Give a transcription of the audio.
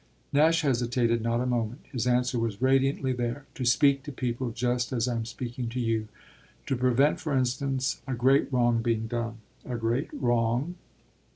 Nash hesitated not a moment; his answer was radiantly there. "To speak to people just as I'm speaking to you. To prevent for instance a great wrong being done." "A great wrong